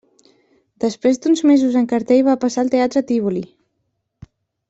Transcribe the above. Després d'uns mesos en cartell va passar al Teatre Tívoli.